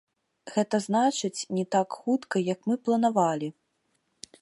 Гэта значыць, не так хутка, як мы планавалі.